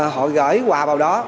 họ gửi quà vào đó